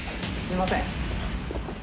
すみません。